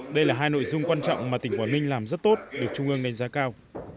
đây là hai nội dung quan trọng mà tỉnh quảng ninh làm rất tốt được trung ương đánh giá cao